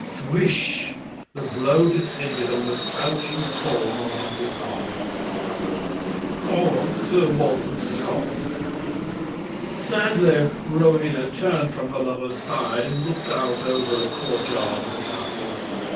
"Swish! The blow descended on the crouching form of Uncle Tom." Or Sir Walter Scott: "Sadly Rowena turned from her lover's side and looked out over the courtyard of the castle.